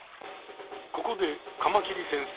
ここでカマキリ先生